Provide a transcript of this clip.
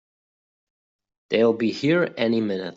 They'll be here any minute!